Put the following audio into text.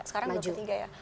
sekarang dua per tiga ya